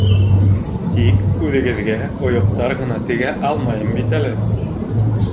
Тикүҙегеҙгә ойоҡтар ғына тегә алмайым бит әле.